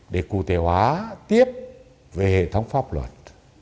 để cụ thể hóa tiếp về hệ thống pháp luật